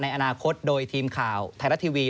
อนาคตโดยทีมข่าวไทยรัฐทีวี